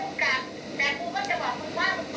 คุณจะพูดเลยคุณจะไปเจอตัว